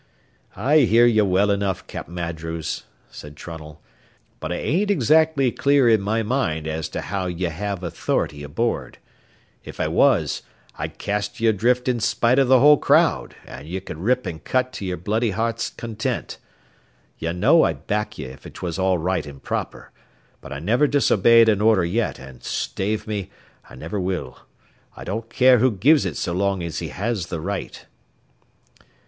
"I hears ye well enough, Cap'n Andrews," said Trunnell; "but I ain't eggzactly clear in my mind as to how ye have authority aboard. If I was, I'd cast ye adrift in spite o' the whole crowd, an' ye could rip an' cut to your bloody heart's content. Ye know I'd back ye if 'twas all right and proper; but I never disobeyed an order yet, and stave me, I never will. I don't care who gives it so long as he has the right."